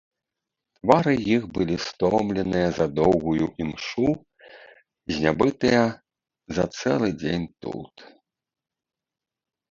Твары іх былі стомленыя за доўгую імшу, знябытыя за цэлы дзень тут.